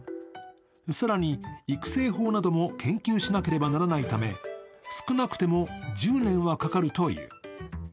更に育成法なども研究しなければならないため、少なくても１０年はかかるという。